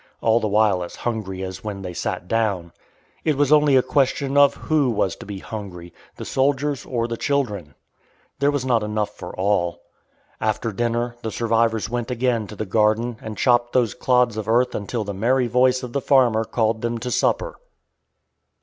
all the while as hungry as when they sat down. It was only a question of who was to be hungry the soldiers or the children. There was not enough for all. After dinner the survivors went again to the garden and chopped those clods of earth until the merry voice of the farmer called them to supper.